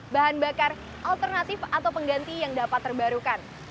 bahan bakar alternatif atau pengganti yang dapat terbarukan